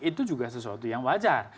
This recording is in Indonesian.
itu juga sesuatu yang wajar